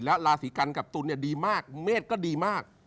แล้วราศีกันกับตุลเนี่ยดีมากเมศก็ดีมาก